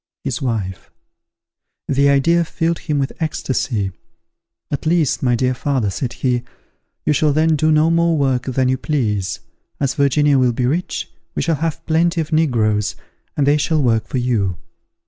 His wife! The idea filled him with ecstasy. "At least, my dear father," said he, "you shall then do no more work than you please. As Virginia will be rich, we shall have plenty of negroes, and they shall work for you.